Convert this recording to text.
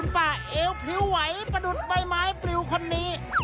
พริวไหวประดุษใบไม้ปลิวคนนี้